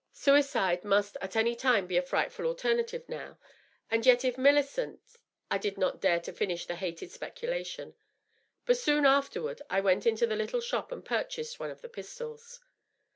Suicide must at any time be a frightfiil alternative, now ; and yet if MilliQcnt .. I did not dare to finish the hated specu lation. But soon afterward I went into the little shop and purchased one of the pistols.